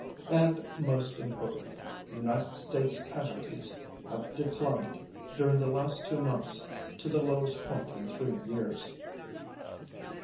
And most important, United States casualties have declined during the last two months to the lowest point in three years.